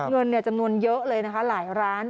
เงินจำนวนเยอะเลยนะคะหลายร้าน